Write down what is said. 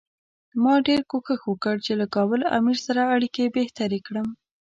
ما ډېر کوښښ وکړ چې له کابل امیر سره اړیکې بهترې کړم.